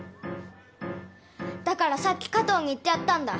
だからさっき加藤に言ってやったんだ。